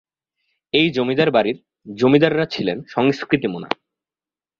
এই জমিদার বাড়ির জমিদাররা ছিলেন সংস্কৃতিমান।